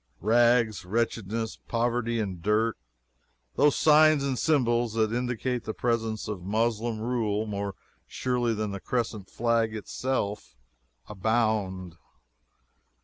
Rags, wretchedness, poverty and dirt, those signs and symbols that indicate the presence of Moslem rule more surely than the crescent flag itself, abound.